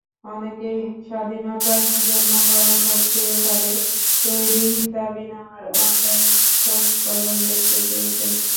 অনেকেই স্বাধীনতার জন্য গণভোট চেয়ে তাঁদের তৈরি দাবিনামার অনলাইন সংস্করণ দেখতে চেয়েছেন।